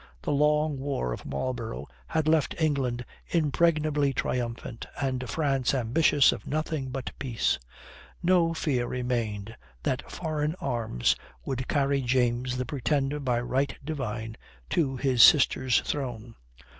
The long war of Marlborough had left England impregnably triumphant, and France ambitious of nothing but peace. No fear remained that foreign arms would carry James, the Pretender by right divine, to his sister's throne.